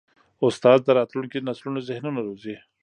استاد د راتلونکي نسلونو ذهنونه روزي.